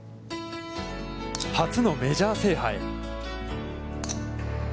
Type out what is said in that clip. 初のメジャー制覇へ。